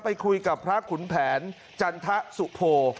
ไปคุยกับพระขุนแผนจันทะสุโพ